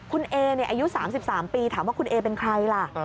คุณเออายุ๓๓ปีถามว่าคุณเอเป็นใครล่ะ